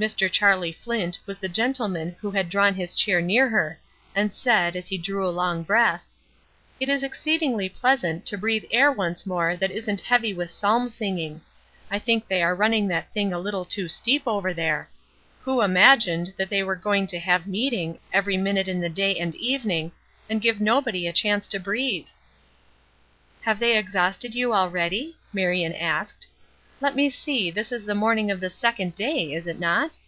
Mr. Charlie Flint was the gentleman who had drawn his chair near her, and said, as he drew a long breath: "It is exceedingly pleasant to breathe air once more that isn't heavy with psalm singing I think they are running that thing a little too steep over there. Who imagined that they were going to have meeting every minute in the day and evening, and give nobody a chance to breathe?" "Have they exhausted you already?" Marion asked. "Let me see, this is the morning of the second day, is it not?"